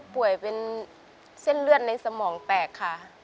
ก่อนหน้านี่มีอาการเตือนมาบ้างมั้ยครับ